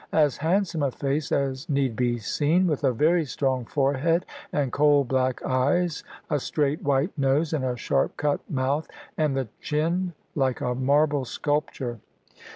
As handsome a face as need be seen, with a very strong forehead and coal black eyes, a straight white nose, and a sharp cut mouth, and the chin like a marble sculpture.